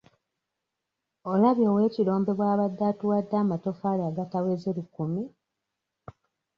Olabye ow'ekirombe bw'abadde atuwadde amatofaali agataweze lukumi?